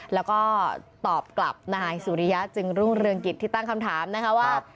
แล้วก็ตอบกลับนายสุริยะจึงรุ่งเรืองกิจที่ตั้งคำถามนะคะว่า